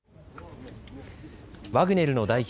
ワグネルの代表